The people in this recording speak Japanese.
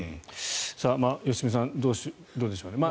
良純さん、どうでしょう。